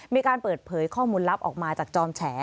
มีการเปิดเผยข้อมูลลับออกมาจากจอมแฉ